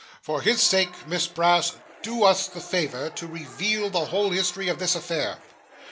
For his sake, Miss Brass, do us the favour to reveal the whole history of this affair.